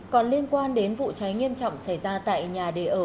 còn liên quan đến vụ cháy nghiêm trọng xảy ra tại nhà đề ở